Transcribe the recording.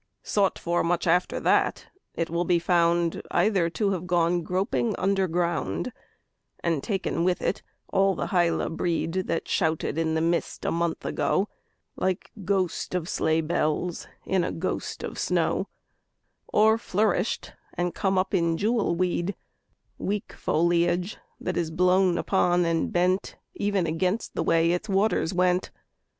Sought for much after that, it will be found Either to have gone groping underground (And taken with it all the Hyla breed That shouted in the mist a month ago, Like ghost of sleigh bells in a ghost of snow) Or flourished and come up in jewel weed, Weak foliage that is blown upon and bent Even against the way its waters went.